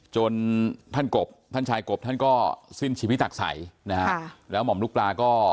จนท่านชายกบท่านก็สิ้นชีวิตตักไส้นะครับแล้วหม่อมลูกปลาก็